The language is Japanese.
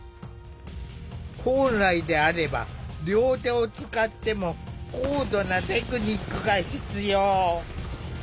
本来であれば両手を使っても高度なテクニックが必要。